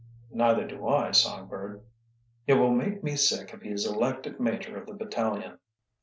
"Neither do I, Songbird." "It will make me sick if he is elected major of the battalion."